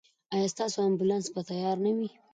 ایا ستاسو امبولانس به تیار نه وي؟